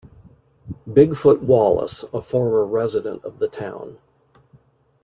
"Bigfoot" Wallace, a former resident of the town.